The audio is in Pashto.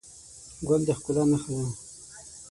ګل د ښکلا نښه ده.